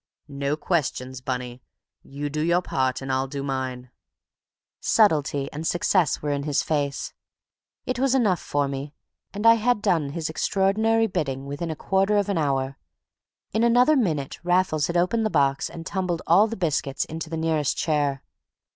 "No questions, Bunny; you do your part and I'll do mine." Subtlety and success were in his face. It was enough for me, and I had done his extraordinary bidding within a quarter of an hour. In another minute Raffles had opened the box and tumbled all the biscuits into the nearest chair.